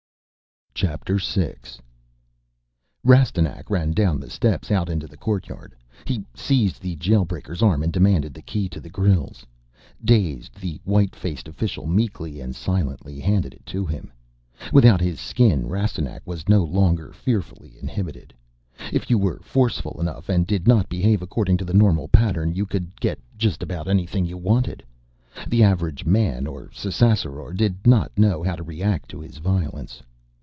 VI Rastignac ran down the steps, out into the courtyard. He seized the Jail breaker's arm and demanded the key to the grilles. Dazed, the white faced official meekly and silently handed it to him. Without his Skin Rastignac was no longer fearfully inhibited. If you were forceful enough and did not behave according to the normal pattern you could get just about anything you wanted. The average Man or Ssassaror did not know how to react to his violence.